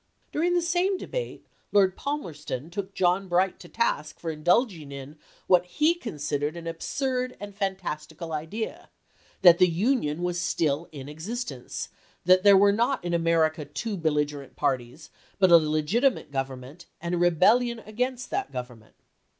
During the same debate Lord Palmerston took John Bright to task for indulging in what he considered an absurd and fantastical idea, " that the Union was still in existence; that there were not in Amer ica two belligerent parties, but a legitimate Gov ernment and a rebellion against that Government."